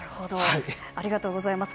ありがとうございます。